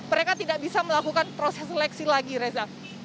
mereka tidak bisa melakukan proses seleksi lagi reza